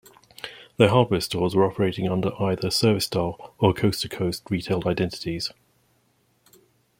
Their hardware stores were operating under either ServiStar or Coast to Coast retail identities.